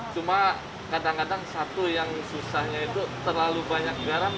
cuma kadang kadang satu yang susahnya itu terlalu banyak garam